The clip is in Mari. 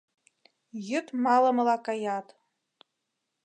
Йӱд малымыла каят.